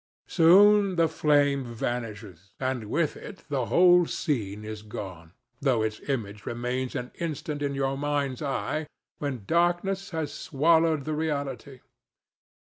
Soon the flame vanishes, and with it the whole scene is gone, though its image remains an instant in your mind's eye when darkness has swallowed the reality.